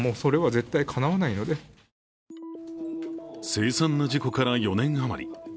凄惨な事故から４年あまり。